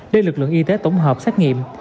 để lực lượng y tế tổng hợp xét nghiệm